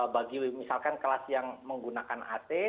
bagi misalkan kelas yang menggunakan ac